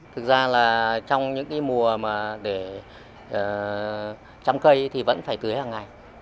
thực ra là trong những mùa mà để trăm cây thì vẫn phải tưới hàng ngày